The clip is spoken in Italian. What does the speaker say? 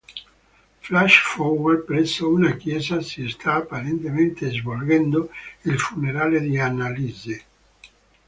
Flash-forward: presso una chiesa, si sta apparentemente svolgendo il funerale di Annalise.